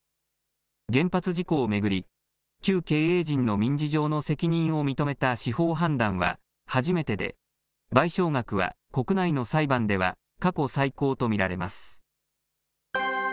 原発事故を巡り、旧経営陣の民事上の責任を認めた司法判断は初めてで、賠償額は国内の裁判では、過去最高と見られます。